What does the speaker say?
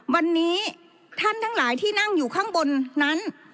วันนี้ท่านทั้งหลายที่นั่งอยู่ข้างบนนั้น